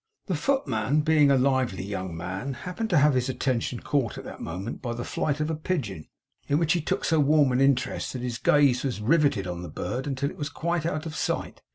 The footman, being a lively young man, happened to have his attention caught at that moment by the flight of a pigeon, in which he took so warm an interest that his gaze was rivetted on the bird until it was quite out of sight.